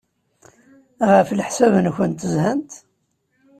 Ɣef leḥsab-nwent, zhan?